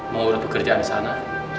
mau urus pekerjaan di sana